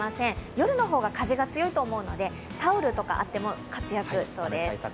夜のほうが風が強いと思うのでタオルとかあっても活躍しそうです。